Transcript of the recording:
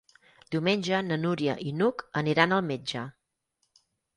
Diumenge na Núria i n'Hug aniran al metge.